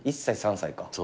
１歳３歳か。